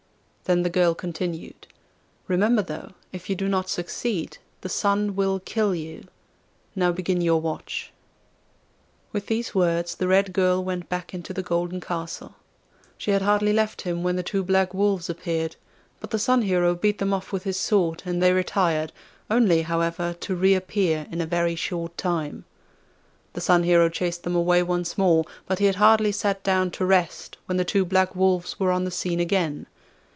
Then the girl continued: 'Remember, though, if you do not succeed the Sun will kill you. Now begin your watch.' With these words the Red Girl went back into the golden castle. She had hardly left him when the two black wolves appeared: but the Sun Hero beat them off with his sword, and they retired, only, however, to reappear in a very short time. The Sun Hero chased them away once more, but he had hardly sat down to rest when the two black wolves were on the scene again.